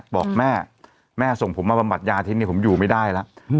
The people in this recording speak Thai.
บอกแม่แม่ส่งผมมาบำบัดยาที่นี่ผมอยู่ไม่ได้แล้ว